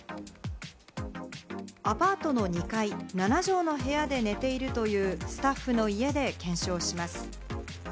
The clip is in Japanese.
アパートの２階、７畳の部屋で寝ているというスタッフの家で検証します。